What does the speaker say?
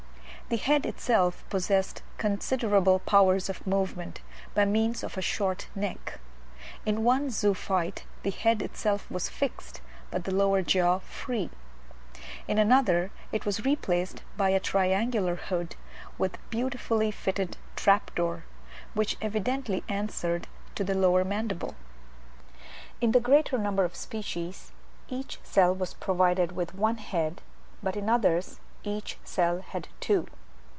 The head itself possessed considerable powers of movement, by means of a short neck. In one zoophyte the head itself was fixed, but the lower jaw free: in another it was replaced by a triangular hood, with beautifully fitted trap door, which evidently answered to the lower mandible. In the greater number of species, each cell was provided with one head, but in others each cell had two.